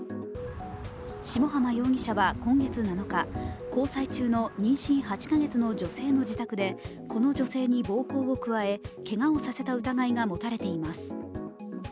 下浜容疑者は今月７日交際中の妊娠８か月の女性の自宅でこの女性に暴行を加え、けがをさせた疑いが持たれています。